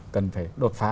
cần phải đột phá